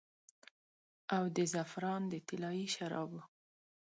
او د زعفران د طلايي شرابو